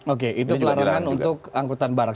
oke itu pelarangan untuk angkutan barang